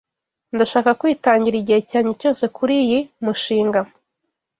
Ndashaka kwitangira igihe cyanjye cyose kuriyi mushinga.